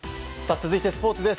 続いてスポーツです。